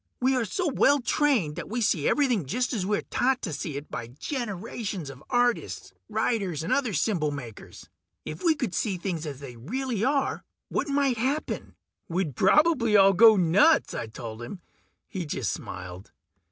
We are so well trained that we see everything just as we are taught to see it by generations of artists, writers, and other symbol makers. If we could see things as they really are, what might happen?" "We'd probably all go nuts!" I told him. He just smiled.